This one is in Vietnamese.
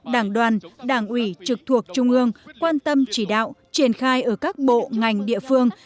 đảng đoàn đảng ủy trực thuộc trung ương quan tâm chỉ đạo triển khai ở các bộ ngành địa phương